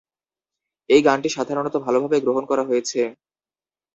এই গানটি সাধারণত ভালভাবে গ্রহণ করা হয়েছে।